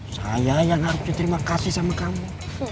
saya yang harus diterima kasih sama kamu